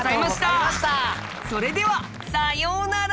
それではさようなら！